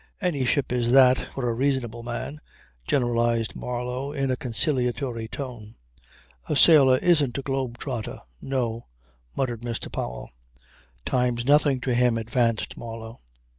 "Any ship is that for a reasonable man," generalized Marlow in a conciliatory tone. "A sailor isn't a globe trotter." "No," muttered Mr. Powell. "Time's nothing to him," advanced Marlow.